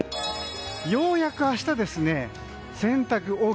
ようやく明日、洗濯ＯＫ。